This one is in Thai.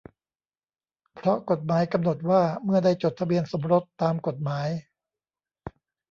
เพราะกฎหมายกำหนดว่าเมื่อได้จดทะเบียนสมรสตามกฎหมาย